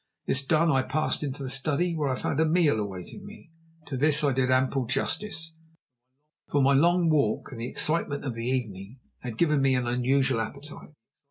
This done, I passed into the study, where I found a meal awaiting me. To this I did ample justice, for my long walk and the excitement of the evening had given me an unusual appetite.